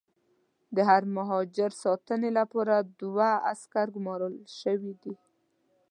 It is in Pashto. د هر مهاجر ساتنې لپاره دوه عسکر ګومارل شوي دي.